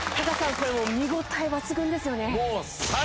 これもう見応え抜群ですよね。